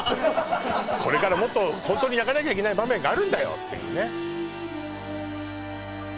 これからもっとホントに泣かなきゃいけない場面があるんだよっていうね